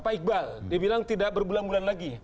pak iqbal dibilang tidak berbulan bulan lagi